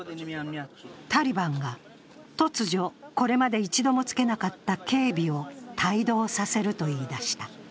タリバンが突如これまで一度もつけなかった警備を帯同させると言いだした。